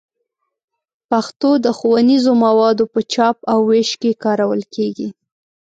پښتو د ښوونیزو موادو په چاپ او ویش کې کارول کېږي.